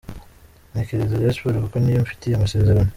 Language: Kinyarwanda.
Ntekereza Rayon Sports kuko niyo mfitiye amasezerano.